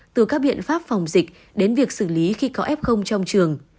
từ các biện pháp phòng dịch đến việc xử lý khi có f trong trường